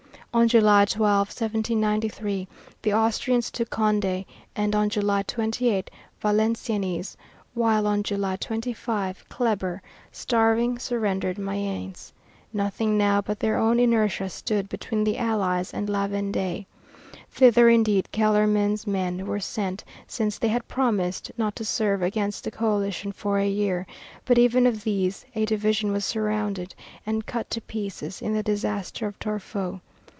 On July 12, 1793, the Austrians took Condé, and on July 28, Valenciennes; while on July 25, Kleber, starving, surrendered Mayence. Nothing now but their own inertia stood between the allies and La Vendée. Thither indeed Kellermann's men were sent, since they had promised not to serve against the coalition for a year, but even of these a division was surrounded and cut to pieces in the disaster of Torfou.